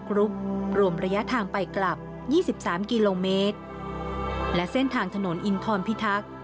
กรุ๊ปรวมระยะทางไปกลับยี่สิบสามกิโลเมตรและเส้นทางถนนอินทรพิทักษ์